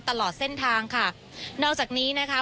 ตลอดเส้นทางค่ะนอกจากนี้นะคะ